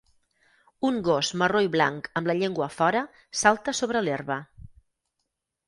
un gos marró i blanc amb la llengua fora salta sobre l'herba